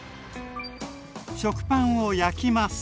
食パンを焼きます。